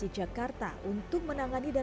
itu juga perlu mengatasi mas